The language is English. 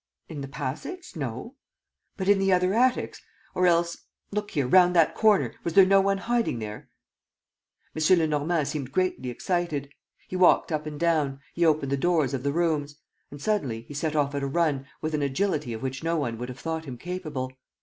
"In the passage? No." "But in the other attics? ... Or else, look here, round that corner: was there no one hiding there?" M. Lenormand seemed greatly excited. He walked up and down, he opened the doors of the rooms. And, suddenly, he set off at a run, with an agility of which no one would have thought him capable.